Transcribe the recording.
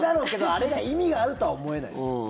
あれが意味があるとは思えないですよ。